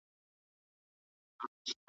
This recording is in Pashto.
دوهم زوى سو را دمخه ويل پلاره ,